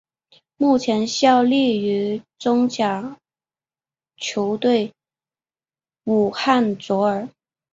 目前效力于中甲球队武汉卓尔。